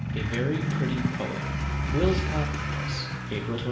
A VERY PRETTY POET. Will's Coffee house, April 24.